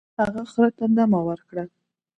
هغه خر ته دمه ورکړه.